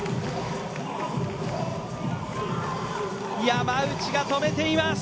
山内が止めています。